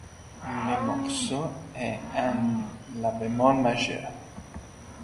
Le morceau est en la bémol majeur.